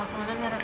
terima kasih kak